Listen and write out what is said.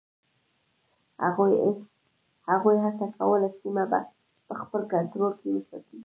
هغوی هڅه کوله سیمه په خپل کنټرول کې وساتي.